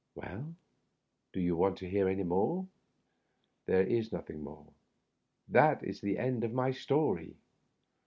Well, do you want to hear any more? There is nothing more. That is the end of my story.